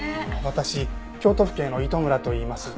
私京都府警の糸村といいます。